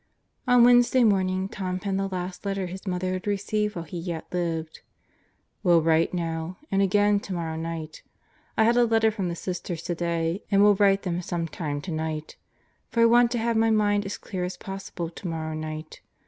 On Wednesday morning Tom penned the last letter his mother could receive while he yet lived: Will write now, and again tomorrow night. I had a letter from the Sisters today and will write them some time tonight; for I want to have my mind as clear as possible tomorrow night.